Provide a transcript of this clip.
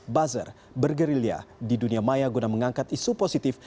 buzzer bergerilya di dunia maya guna mengangkat isu positif